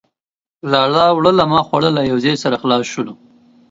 لالا وړوله ما خوړله ،. يو ځاى سره خلاص سولو.